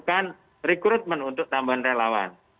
melakukan rekrutmen untuk tambahan relawan